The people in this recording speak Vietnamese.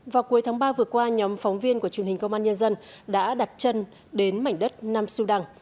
vào cuối tháng ba vừa qua nhóm phóng viên của truyền hình công an nhân dân đã đặt chân đến mảnh đất nam sudan